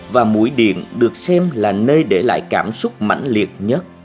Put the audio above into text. và mũi điện được xem là nơi để lại cảm xúc mạnh liệt nhất